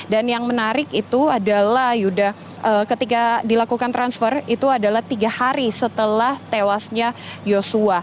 dan yang menarik itu adalah yuda ketika dilakukan transfer itu adalah tiga hari setelah tewasnya yosua